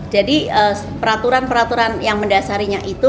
jadi peraturan peraturan yang mendasarinya itu